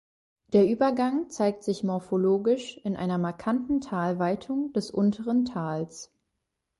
Der Übergang zeigt sich morphologisch in einer markanten Talweitung des unteren Tales.